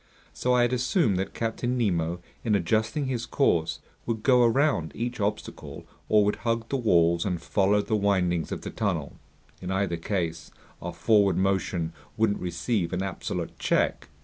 So I had assumed that Captain Nemo, in adjusting his course, would go around each obstacle or would hug the walls and follow the windings of the tunnel. In either case our forward motion wouldn't receive an absolute check.